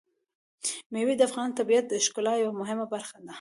مېوې د افغانستان د طبیعت د ښکلا یوه مهمه برخه ده.